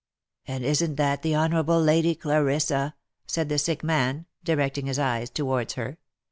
" And isn't that the Honourable Lady Clarissa?" said the sick man, directing his eyes towards her.